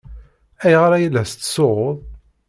Ayɣer ay la tettsuɣuḍ!